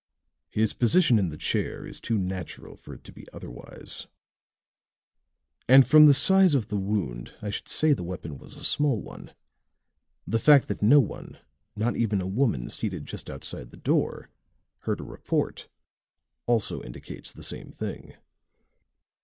"His position in the chair is too natural for it to be otherwise. And from the size of the wound I should say the weapon was a small one; the fact that no one, not even a woman seated just outside the door, heard a report, also indicates the same thing."